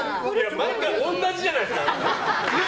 毎回、同じじゃないですか。